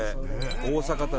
大阪旅。